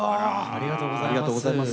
ありがとうございます。